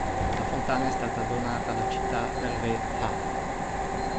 La fontana è stata donata alla città dal re Fahd.